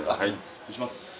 失礼します。